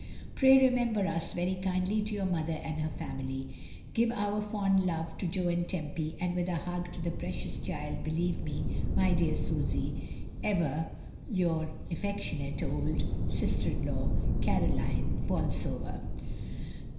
*'Pray remember us very kindly to your mother and her family. Give our fond love to Jo and Tempy, and, with a hug to the precious child, be lieve me, my dear Susy, ever your affectionate old sister in law, "Caroline Bolsover.